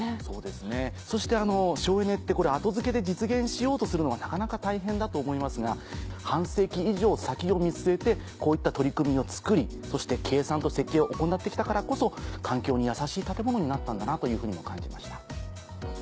そうですねそしてあの省エネって後付けで実現しようとするのはなかなか大変だと思いますが半世紀以上先を見据えてこういった取り組みをつくりそして計算と設計を行って来たからこそ環境にやさしい建物になったんだなというふうにも感じました。